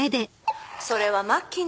それは末期ね。